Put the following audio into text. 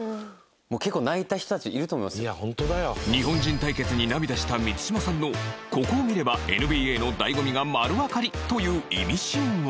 日本人対決に涙した満島さんのここを見ればＮＢＡの醍醐味が丸わかりというイミシンは